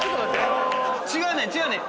違うねん違うねん！